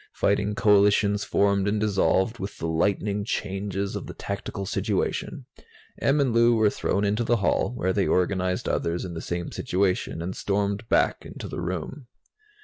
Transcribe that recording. Fighting coalitions formed and dissolved with the lightning changes of the tactical situation. Em and Lou were thrown into the hall, where they organized others in the same situation, and stormed back into the room.